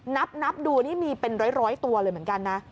นับดูนี่มีเป็นร้อยตัวเลยเหมือนกันนะ